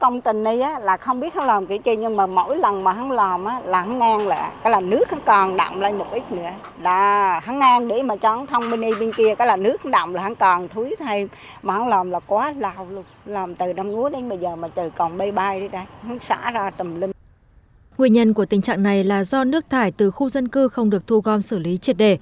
nguyên nhân của tình trạng này là do nước thải từ khu dân cư không được thu gom xử lý triệt đề